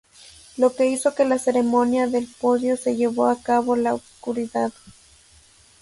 Lo que hizo que la ceremonia del podio se llevó a cabo la oscuridad!